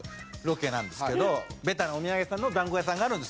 ベタなお土産屋さんの団子屋さんがあるんです。